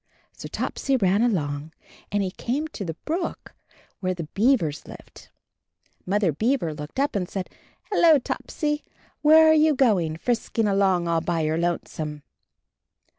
So Topsy ran along, and he came to the brook where the beavers lived. Mother Beaver looked up and said, "Hello, Topsy, where are you going, frisking along all by your lonesome?"